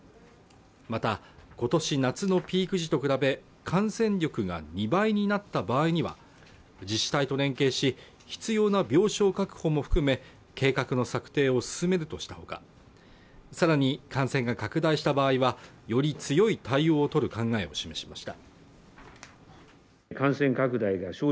また今年夏のピーク時と比べ感染力が２倍になった場合には自治体と連携し必要な病床確保も含め計画の策定を進めるとしたほかさらに感染が拡大した場合はより強い対応を取る考えを示しました